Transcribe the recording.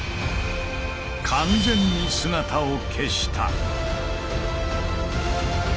完全に姿を消した。